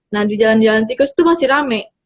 nah di jalan jalan tikus itu masih rame